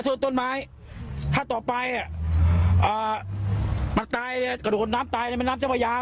ส่วนต้นไม้ถ้าต่อไปมันตายเลยกระโดดน้ำตายในแม่น้ำเจ้าพระยา